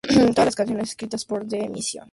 Todas las canciones escritas por The Mission.